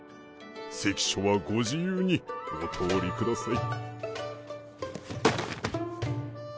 関所はご自由にお通りください。